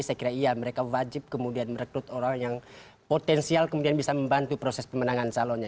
saya kira iya mereka wajib kemudian merekrut orang yang potensial kemudian bisa membantu proses pemenangan calonnya